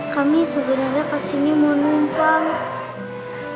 kami sebenarnya kesini mau numpang